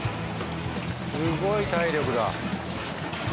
すごい体力だ。